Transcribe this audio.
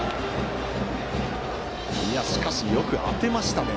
しかし、よく当てましたね。